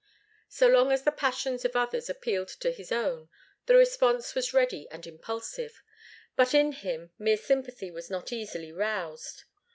So long as the passions of others appealed to his own, the response was ready and impulsive. But in him mere sympathy was not easily roused.